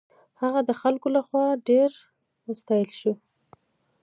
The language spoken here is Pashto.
هغه د خلکو له خوا ډېر وستایل شو.